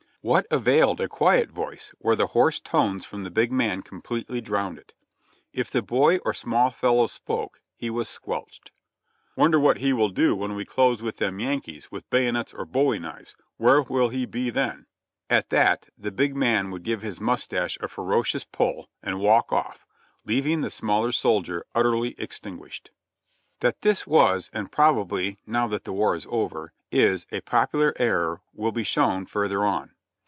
What availed a quiet voice where the hoarse tones from the big man completely drowned it? If the boy or small fellow spoke, he was squelched. "Wonder what he will do when we close with them Yankees with bayonets and bowie knives, where will he be then?" At that the big man would give his mustache a ferocious pull, and walk off, leaving the smaller soldier utterly extinguished. That this was, and probably (now that the war is over) is, a popular error will be shown further on.